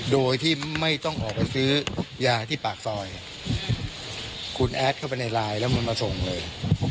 โดยที่ไม่ต้องออกไปซื้อยาที่ปากซอยคุณแอดเข้าไปในไลน์แล้วมันมาส่งเลย